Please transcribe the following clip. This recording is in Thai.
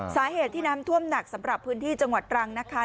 สาเหตุที่น้ำท่วมหนักสำหรับพื้นที่จังหวัดตรังนะคะ